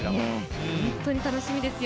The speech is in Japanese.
ホントに楽しみですよ。